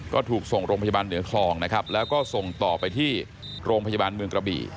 ก็ถูกส่งโรงพยาบาลเหนือคลองนะครับแล้วก็ส่งต่อไปที่โรงพยาบาลเมืองกระบี่